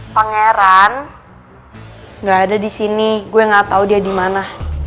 pangeran gak ada disini gue gak tau dia dimana